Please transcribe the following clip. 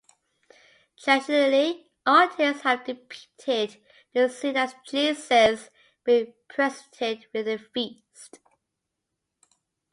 Traditionally artists have depicted the scene as Jesus being presented with a feast.